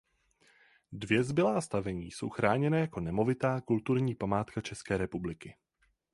Dvě zbylá zastavení jsou chráněna jako nemovitá Kulturní památka České republiky.